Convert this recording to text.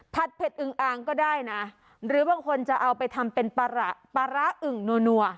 เผ็ดอึงอ่างก็ได้นะหรือบางคนจะเอาไปทำเป็นปลาร้าอึ่งนัว